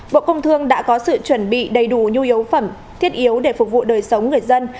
bộ công thương đã có sự chuẩn bị đầy đủ nhu yếu phẩm thiết yếu để phục vụ đời sống người dân